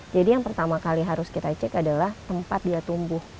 jadi yang pertama kali harus kita cek adalah tempat dia tumbuh